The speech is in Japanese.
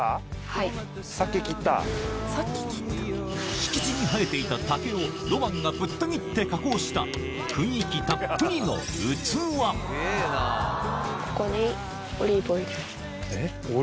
敷地に生えていた竹をロマンがぶった切って加工した雰囲気たっぷりの器オリーブオイル？